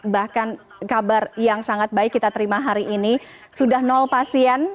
bahkan kabar yang sangat baik kita terima hari ini sudah pasien